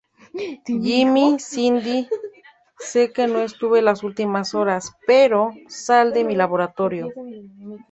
Jimmy: Cindy, se que no estuve las últimas horas, pero... ¡Sal de mi laboratorio!